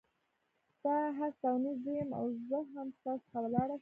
ستا هست او نیست زه یم او زه هم ستا څخه ولاړه شم.